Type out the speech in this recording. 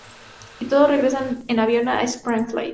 Y todos regresan en avión a Springfield.